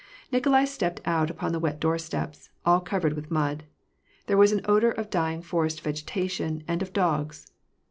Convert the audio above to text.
. Nikolai stepped out upon the wet doorsteps, all covered with mud. There was an odor of dying forest vegetation, and of dogs.